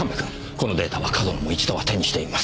このデータは上遠野も一度は手にしています。